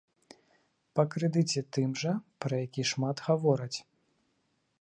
Па крэдыце тым жа, пра які шмат гавораць.